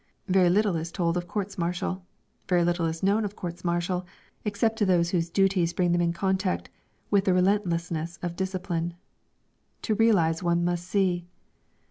Very little is told of courts martial, very little is known of courts martial, except to those whose duties bring them in contact with the relentlessness of discipline. To realise one must see.